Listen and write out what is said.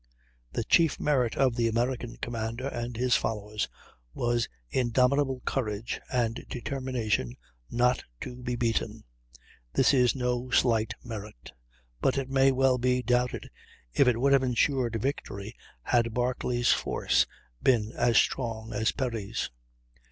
The chief merit of the American commander and his followers was indomitable courage, and determination not to be beaten. This is no slight merit; but it may well be doubted if it would have ensured victory had Barclay's force been as strong as Perry's.